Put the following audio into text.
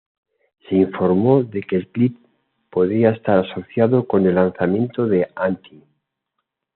Se informó de que el clip podría estar asociado con el lanzamiento de Anti.